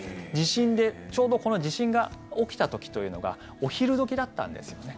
ちょうどこの地震が起きた時というのがお昼時だったんですよね。